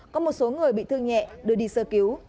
có một số người bị thương nhẹ đưa đi sơ cứu